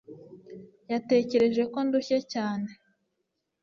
Yatekereje ko ndushye cyane